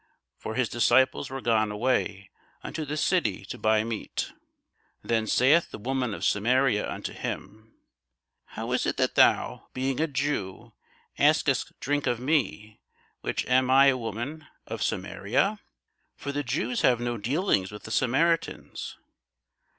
(For his disciples were gone away unto the city to buy meat.) Then saith the woman of Samaria unto him, How is it that thou, being a Jew, askest drink of me, which am a woman of Samaria? for the Jews have no dealings with the Samaritans.